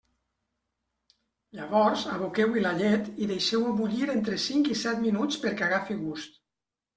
Llavors aboqueu-hi la llet i deixeu-ho bullir entre cinc i set minuts perquè agafi gust.